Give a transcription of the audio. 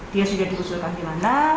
dia sudah diusulkan di mana